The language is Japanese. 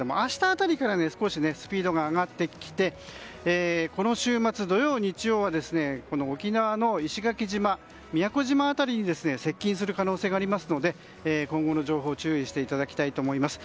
辺りから少しスピードが上がってきてこの週末、土曜、日曜は沖縄の石垣島宮古島辺りに接近する可能性がありますので今後の情報注意していただきたいと思います。